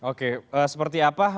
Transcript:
oke seperti apa